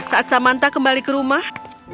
saat samanta kembali ke rumah